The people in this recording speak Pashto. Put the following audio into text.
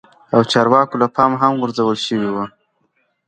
او چارواکو له پا مه هم غور ځول شوي وه